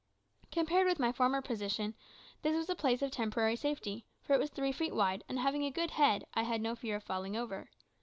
Compared with my former position, this was a place of temporary safety, for it was three feet wide, and having a good head, I had no fear of falling over.